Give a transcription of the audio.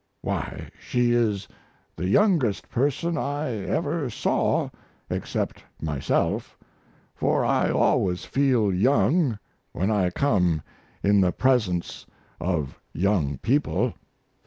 Why, she is the youngest person I ever saw, except myself for I always feel young when I come in the presence of young people.